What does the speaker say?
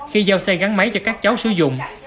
khi giao xe gắn máy cho các cháu sử dụng